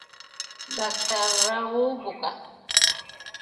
Doctor Rao বোকা!